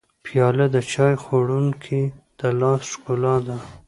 پیاله د چای خوړونکي د لاس ښکلا ده.